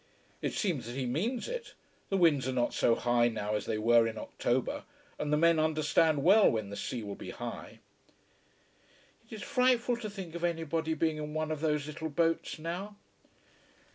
"It seems that he means it. The winds are not so high now as they were in October, and the men understand well when the sea will be high." "It is frightful to think of anybody being in one of those little boats now."